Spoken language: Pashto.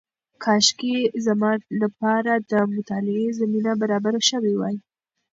کاشکې زما لپاره د مطالعې زمینه برابره شوې وای.